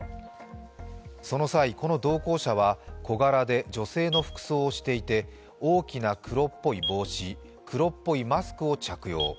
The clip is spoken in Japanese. その際、この同行者は小柄で女性の服装をしていて大きな黒っぽい帽子黒っぽいマスクを着用。